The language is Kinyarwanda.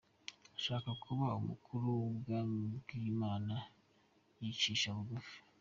Ushaka kuba mukuru mu Bwami bw’ Imana yicisha bugufi